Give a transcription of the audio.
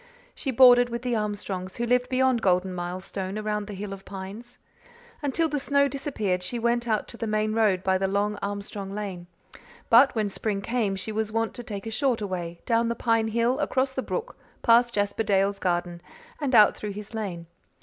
She boarded with the Armstrongs, who lived beyond Golden Milestone around the hill of pines. Until the snow disappeared she went out to the main road by the long Armstrong lane; but when spring came she was wont to take a shorter way, down the pine hill, across the brook, past Jasper Dale's garden, and out through his lane.